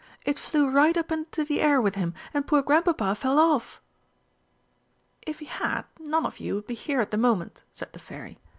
"It flew right up into the air with him, and poor Grandpapa fell off." "If he had, none of you would be here at the moment," said the Fairy.